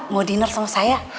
mau diner sama saya